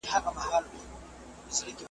دا اټک اټک سيندونه .